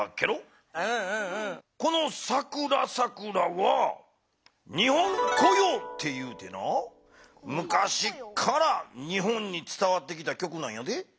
この「さくらさくら」は日本古謡と言うてなむかしから日本につたわってきた曲なんやでゲロ。